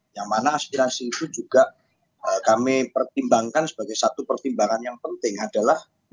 yang mana aspirasi itu juga kami pertimbangkan sebagai satu pertimbangan yang penting adalah